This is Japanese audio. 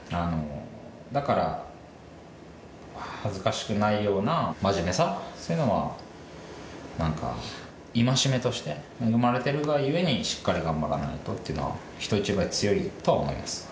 だから恥ずかしくないような真面目さそういうのはなんか戒めとして恵まれてるが故にしっかり頑張らないとというのは人一倍強いとは思います。